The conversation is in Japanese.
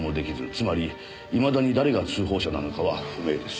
つまりいまだに誰が通報者なのかは不明です。